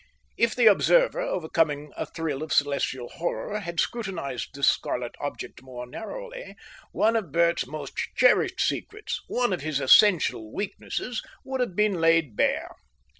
If the observer, overcoming a thrill of celestial horror, had scrutinised this scarlet object more narrowly, one of Bert's most cherished secrets, one of his essential weaknesses, would have been laid bare.